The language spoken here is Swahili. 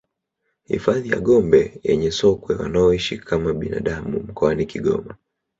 Hifadhi ya Gombe yenye sokwe wanaoishi kama binadamu mkoani Kigoma